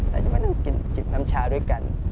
เราไม่ต้องกินจิบนำชาด้วยกัน